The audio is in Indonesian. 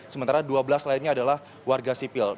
sementara dua belas lainnya adalah warga sipil